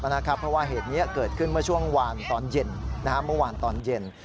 เพราะว่าเหตุนี้เกิดขึ้นมาช่วงวานตอนเย็น